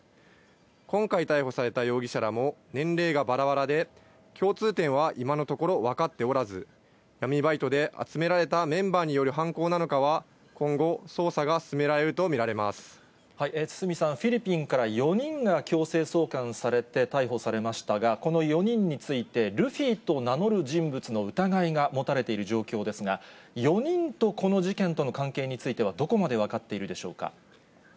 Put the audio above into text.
今回、逮捕された容疑者らも、年齢がばらばらで、共通点は今のところ分かっておらず、闇バイトで集められたメンバーによる犯行なのかは、今後、堤さん、フィリピンから４人が強制送還されて逮捕されましたが、この４人について、ルフィと名乗る人物の疑いが持たれている状況ですが、４人とこの事件との関係については、どこまで分かっているでしょうか。